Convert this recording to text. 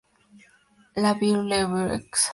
Le Vieil-Évreux